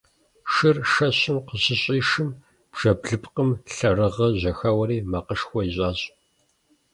Шыр шэщым къыщыщӀишым бжэ блыпкъым лъэрыгъыр жьэхэуэри макъышхуэ ищӀащ.